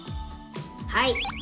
はい。